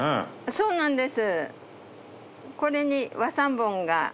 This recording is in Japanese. そうなんです。